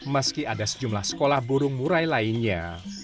meski ada sejumlah sekolah burung murai lainnya